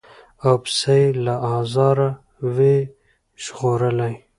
او پسه یې له آزاره وي ژغورلی